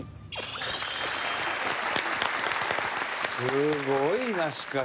すごいなしかし。